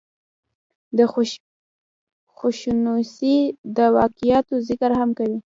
دَخوشنويسۍ دَواقعاتو ذکر هم کوي ۔